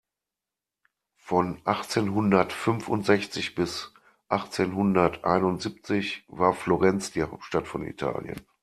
Von achtzehnhundertfünfundsechzig bis achtzehnhunderteinundsiebzig war Florenz die Hauptstadt von Italien.